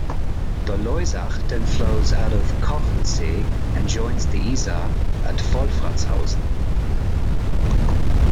The Loisach then flows out of Kochelsee and joins the Isar at Wolfratshausen.